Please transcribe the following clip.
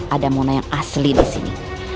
ada mona yang asli disini